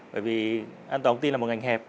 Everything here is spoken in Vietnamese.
bởi vì an toàn công ty là một ngành hẹp